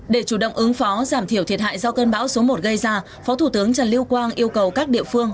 để chủ động ứng phó giảm thiểu thiệt hại do cơn bão số một gây ra phó thủ tướng trần lưu quang yêu cầu các địa phương